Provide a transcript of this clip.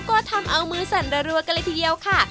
ก็ทำเอามือสั่นรัวกันเลยทีเดียวค่ะ